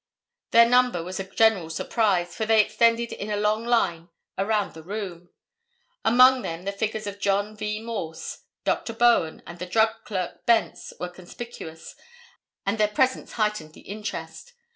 Their number was a general surprise, for they extended in a long line around the room. Among them the figures of John V. Morse, Dr. Bowen and the drug clerk Bence were conspicuous and their presence heightened the interest.